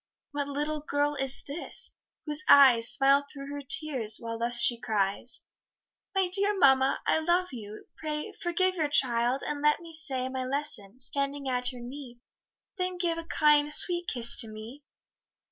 What little girl is this, whose eyes Smile through her tears, while thus she cries? "My dear mamma, I love you, pray Forgive your child, and let me say My lesson, standing at your knee, Then give a kind sweet kiss to me."